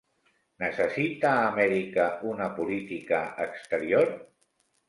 Necessita Amèrica una política exterior?